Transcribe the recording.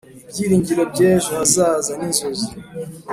ibyiringiro by'ejo hazaza n'inzozi